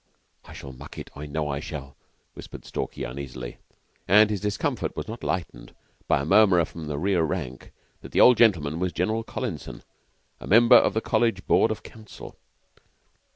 "I shall muck it. I know I shall," whispered Stalky uneasily; and his discomfort was not lightened by a murmur from the rear rank that the old gentleman was General Collinson, a member of the College Board of Council.